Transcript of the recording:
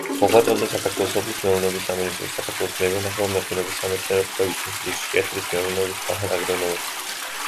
მოღვაწეობდა საქართველოს სოფლის მეურნეობის სამინისტროში, საქართველოს მევენახეობა-მეღვინეობის სამეცნიერო-კვლევით ინსტიტუტში, ჭიათურის მეურნეობის მთავარ აგრონომად.